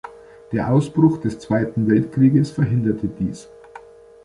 Der Ausbruch des Zweiten Weltkrieges verhinderte dies.